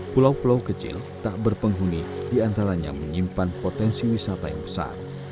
pulau pulau kecil tak berpenghuni diantaranya menyimpan potensi wisata yang besar